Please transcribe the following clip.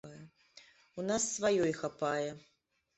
У нас сваёй хапае.